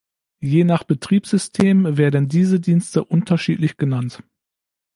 Je nach Betriebssystem werden diese Dienste unterschiedlich genannt.